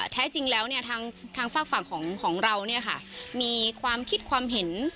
แท้จริงแล้วทางฝากฝั่งของเรามีความคิดความเห็น